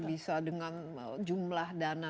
bisa dengan jumlah dana